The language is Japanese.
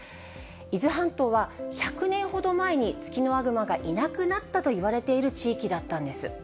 伊豆半島は、１００年ほど前にツキノワグマがいなくなったといわれている地域だったんです。